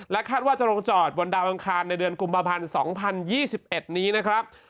คาดว่าจะลงจอดบนดาวอังคารในเดือนกุมภาพันธ์๒๐๒๑นี้นะครับ